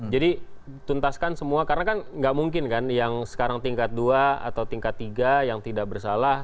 jadi tuntaskan semua karena kan tidak mungkin kan yang sekarang tingkat dua atau tingkat tiga yang tidak bersalah